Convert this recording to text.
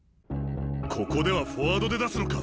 ここではフォワードで出すのか？